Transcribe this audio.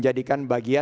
putih itu adalah susu